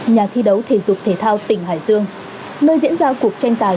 nhà thi đấu thể dục thể thao tỉnh hải dương nơi diễn ra cuộc tranh tài